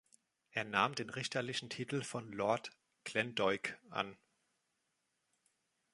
Er nahm den richterlichen Titel von Lord Glendoick an.